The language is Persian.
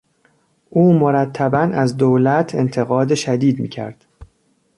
او مرتبا از دولت انتقاد شدید میکرد.